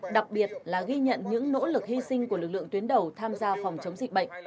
đặc biệt là ghi nhận những nỗ lực hy sinh của lực lượng tuyến đầu tham gia phòng chống dịch bệnh